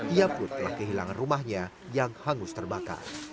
ia pun telah kehilangan rumahnya yang hangus terbakar